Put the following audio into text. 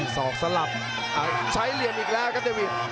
ศอกสลับใช้เหลี่ยมอีกแล้วครับเดวิท